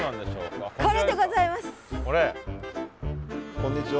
こんにちは。